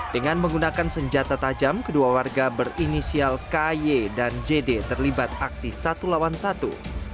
dengan menggunakan senjata tajam kedua warga berinisial ky dan jd terlibat aksi satu lawan satu